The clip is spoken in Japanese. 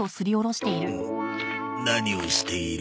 何をしている？